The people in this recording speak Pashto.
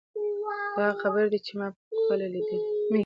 دا هغه خبرې دي چې ما په خپله لیدلې.